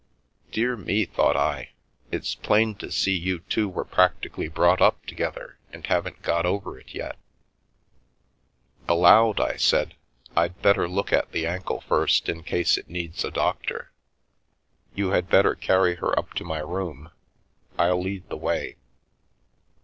" Dear me," thought I, " it's plain to see you two were practically brought up together and haven't got over it yet." Aloud, I said :" I'd better look at the ankle first, in case it needs a doctor. You had better carry her up to my room. I'll lead the way."